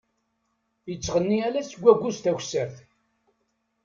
Ittɣenni ala seg agus d takessert.